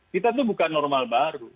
kita tuh bukan normal baru